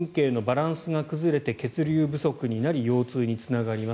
寒さで自律神経のバランスが崩れて血流不足になり腰痛につながります。